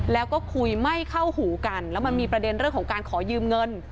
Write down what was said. แล้วก็คุยไม่เข้าหูกันแล้วมันมีประเด็นเรื่องของการขอยืมเงิน